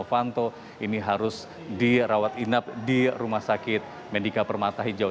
novanto ini harus dirawat inap di rumah sakit medika permata hijau